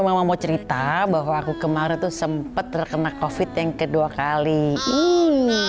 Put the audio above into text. mama mau cerita bahwa aku kemarin tuh sempat terkena covid yang kedua kali ini